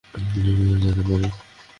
আমরা নাচতে যেতে পারি?